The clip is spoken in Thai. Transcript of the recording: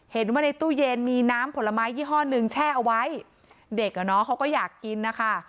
เห็นว่าในตู้เย็นมีน้ำผลไม้ยี่ห้อหนึ่งแช่เอาไว้เด็กอ่ะเนาะเขาก็อยากกินนะคะ